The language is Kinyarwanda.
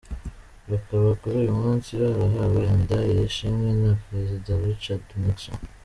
Bakaba kuri uyu munsi barahawe imidali y’ishimwe na perezida Richard Nixon.